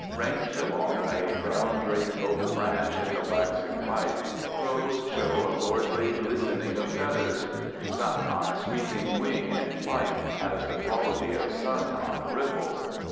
Ranged along a brown draped oak branch in the waxing light, crows show a lordly glistening of feathers. (Sun on a sweeping wing in flight has the quality of sun on a ripple.)